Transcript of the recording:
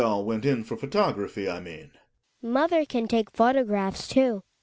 As Ekdal went in for photography, I mean. Hedvig. Mother can take photographs, too.